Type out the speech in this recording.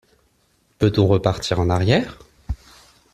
Peut-on repartir en arrière?